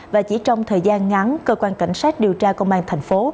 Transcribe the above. và chỉ trong thời gian ngắn cơ quan cảnh sát điều tra công an thành phố